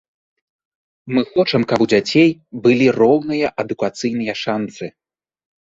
Мы хочам, каб у дзяцей былі роўныя адукацыйныя шанцы.